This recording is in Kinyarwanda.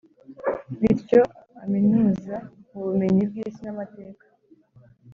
bityo aminuza mu bumenyi bw’isi n’amateka.